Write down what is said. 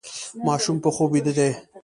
ماشوم په خوب ویده دی.